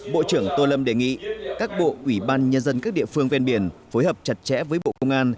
bộ trưởng tô lâm đề nghị các bộ ủy ban nhân dân các địa phương ven biển phối hợp chặt chẽ với bộ công an